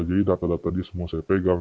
jadi data data dia semua saya pegang